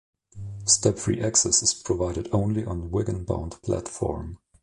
Step-free access is provided only on the Wigan-bound platform.